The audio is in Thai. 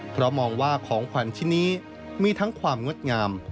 เพราะมองว่าของขวัญชิ้นนี้มีทั้งความงดงาม